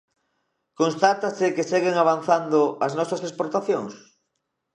¿Constátase que seguen avanzando as nosas exportacións?